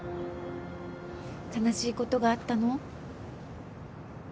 悲しいことがあったの？